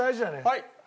はい。